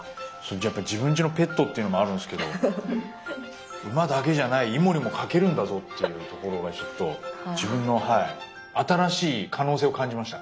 やっぱ自分ちのペットっていうのもあるんですけど馬だけじゃないイモリも描けるんだぞっていうところがちょっと自分の新しい可能性を感じました。